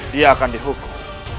dia akan dihukum